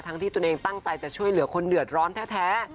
ที่ตัวเองตั้งใจจะช่วยเหลือคนเดือดร้อนแท้